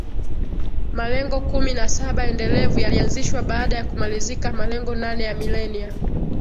Malengo kumi na saba endelevu yalianzishwa baada ya kumalizika malengo nane ya milenia